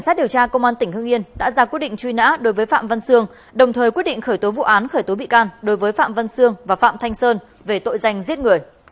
hãy đăng kí cho kênh lalaschool để không bỏ lỡ những video hấp dẫn